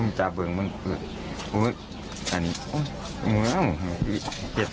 แล้วแทงที่จุดไหน